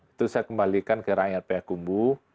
itu saya kembalikan ke rakyat pambu